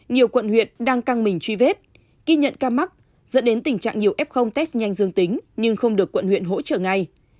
nhiều quận huyện đang căng mình truy vết ghi nhận ca mắc dẫn đến tình trạng nhiều f test nhanh dương tính nhưng không được quận huyện hỗ trợ ngay